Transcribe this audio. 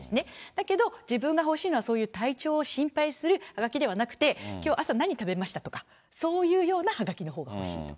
だけど、自分が欲しいのは、そういう体調を心配するはがきではなくて、きょう、朝何食べましたとか、そういうようなはがきのほうが欲しいと。